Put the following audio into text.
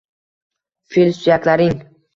fil suyaklaring